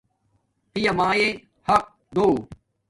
پیابایے حق دو